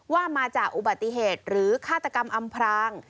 ว่ามาจากอุบัติเหตุหรือฆาตกรรมอำพราง